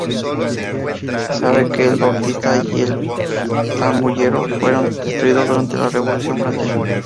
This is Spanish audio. Se sabe que "El flautista" y "El tamborilero" fueron destruidos durante la Revolución francesa.